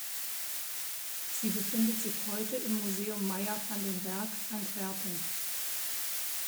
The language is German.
Sie befindet sich heute im Museum Mayer van den Bergh, Antwerpen.